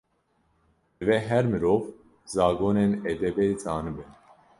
Divê her mirov, zagonên edebê zanibe.